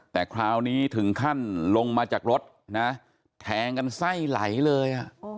แต่คราวนี้ถึงขั้นลงมาจากรถนะแทงกันไส้ไหลเลย